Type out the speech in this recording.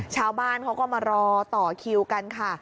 ชาวบ้านเขาก็มารอต่อคิวกันค่ะ